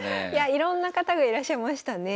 いろんな方がいらっしゃいましたね。